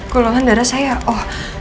golongan darah saya o